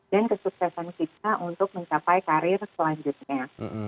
dan kesuksesan kita untuk mencapai karir selanjutnya